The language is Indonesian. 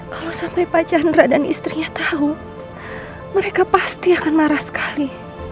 kalau sampai pak chandra dan istrinya tahu mereka pasti akan marah sekali